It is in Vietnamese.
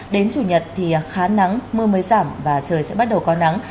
đến chủ nhật thì khá nắng mưa mới giảm và trời sẽ bắt đầu có nắng